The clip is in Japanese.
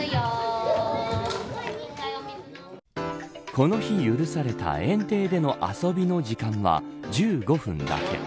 この許された園庭での遊びの時間は１５分だけ。